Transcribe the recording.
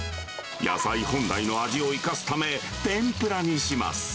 野菜本来の味を生かすため、天ぷらにします。